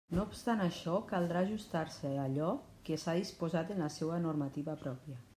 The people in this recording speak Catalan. No obstant això, caldrà ajustar-se a allò que s'ha disposat en la seua normativa pròpia.